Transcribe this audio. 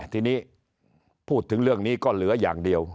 ทีนี้พูดถึงเรื่องนี้ก็เหลืออย่างเดียว